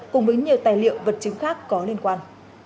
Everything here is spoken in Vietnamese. cùng với nhiều tài liệu vật chứng khác có liên quan